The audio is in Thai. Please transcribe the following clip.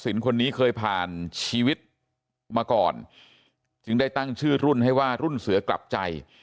คนนี้เคยผ่านชีวิตมาก่อนจึงได้ตั้งชื่อรุ่นให้ว่ารุ่นเสือกลับใจ